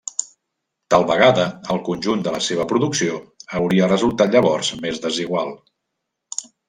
Tal vegada el conjunt de la seva producció hauria resultat llavors més desigual.